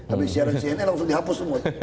habis siaran cnn langsung dihapus semuanya